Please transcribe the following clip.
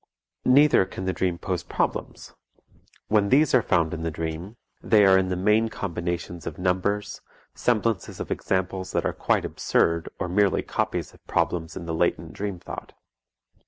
Neither can the dream pose problems; when these are found in the dream, they are in the main combinations of numbers, semblances of examples that are quite absurd or merely copies of problems in the latent dream thought.